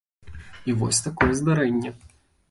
І вось такое здарэнне!